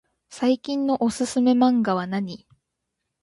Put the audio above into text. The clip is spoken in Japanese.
最近のおすすめマンガはなに？